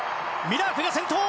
ミラークが先頭。